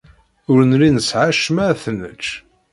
Ur nelli nesɛa acemma ad t-nečč.